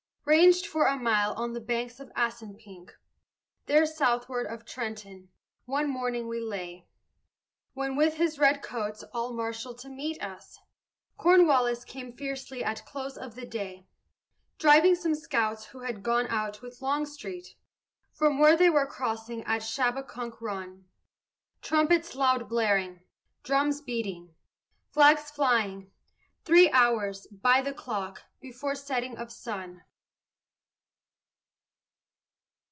Ranged for a mile on the banks of Assunpink, There, southward of Trenton, one morning we lay, When, with his red coats all marshalled to meet us, Cornwallis came fiercely at close of the day Driving some scouts who had gone out with Longstreet, From where they were crossing at Shabbaconk Run Trumpets loud blaring, drums beating, flags flying Three hours, by the clock, before setting of sun.